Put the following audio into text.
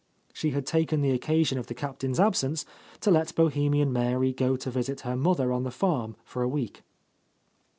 She had taken the occasion of the Captain's absence to let Bohemian Mary go to visit her mother on the farm for a week.